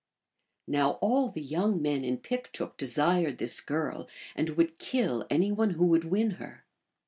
Now all the young men in Piktook desired this girl, and would kill any one who would win her.